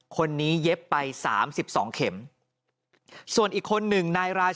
คนนี้เย็บไป๓๒เข็ม